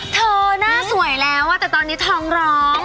หน้าสวยแล้วแต่ตอนนี้ท้องร้อง